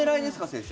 先生。